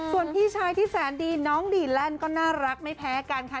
ส่วนพี่ชายที่แสนดีน้องดีแลนด์ก็น่ารักไม่แพ้กันค่ะ